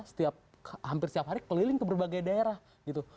setiap hampir setiap hari keliling ke berbagai daerah gitu